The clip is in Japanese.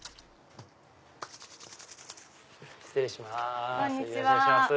失礼します。